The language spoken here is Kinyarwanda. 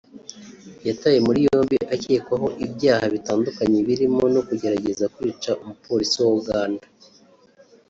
yatawe muri yombi akekwaho ibyaha bitandukanye birimo no kugerageza kwica umupolisi wa Uganda